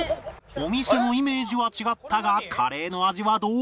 お店のイメージは違ったがカレーの味はどうか？